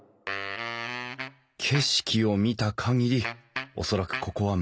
景色を見た限り恐らくここは昔からの農村。